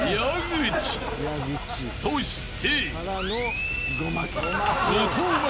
［そして］